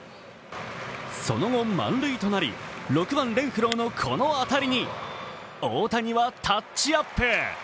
その後、満塁となり６番・レンフローのこの当たりに大谷はタッチアップ。